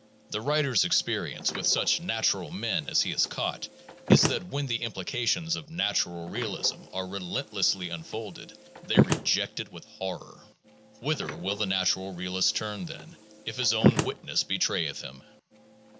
The writer's experience with such "natural men" as he has caught is that when the implications of "natural" realism are relentlessly unfolded, they reject it with horror. Whither will the natural realist turn, then, if his own witness bewray eth him?